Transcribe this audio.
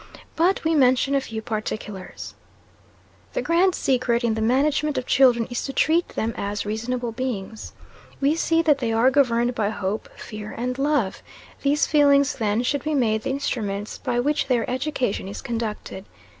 But we mention a few particulars. The grand secret in the management of children is to treat them as reasonable beings. We see that they are governed by hope, fear, and love: these feelings, then, should be made the instruments by which their education is conducted.